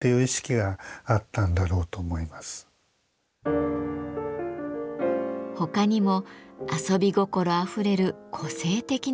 ほかにも遊び心あふれる個性的なデザインも。